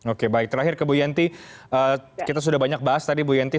oke baik terakhir ke bu yanti kita sudah banyak bahas tadi bu yanti